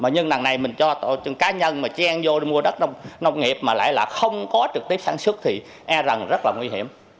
nhưng lần này mình cho cá nhân mà chen vô đi mua đất nông nghiệp mà lại là không có trực tiếp sản xuất thì e rằng rất là nguy hiểm